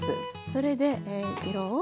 それで色を。